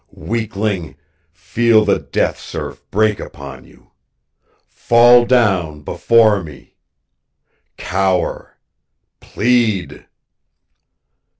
Weakling, feel the death surf break upon you. Fall down before me. Cower plead!"